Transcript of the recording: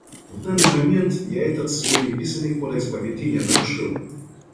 В данный момент я этот свой неписаный кодекс поведения нарушил.